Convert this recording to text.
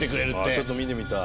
ちょっと見てみたい。